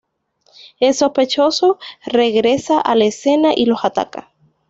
El sospechoso regresa a la escena y la ataca.